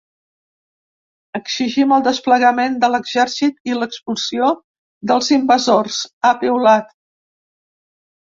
“Exigim el desplegament de l’exèrcit i l’expulsió dels invasors”, ha piulat.